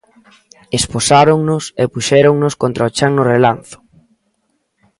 Esposáronnos e puxéronnos contra o chan no relanzo.